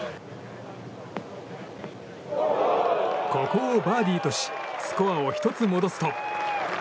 ここをバーディーとしスコアを１つ戻すと。